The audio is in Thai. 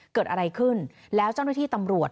เกิดอะไรขึ้นแล้วเจ้าหน้าที่ตำรวจ